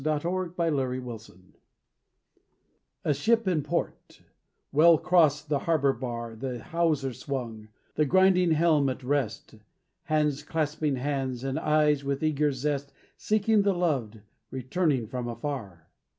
THE WRAITH A ship in port; well crossed the harbour bar; The hawser swung, the grinding helm at rest; Hands clasping hands, and eyes with eager zest Seeking the loved, returning from afar.